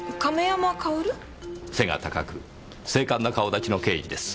背が高く精悍な顔立ちの刑事です。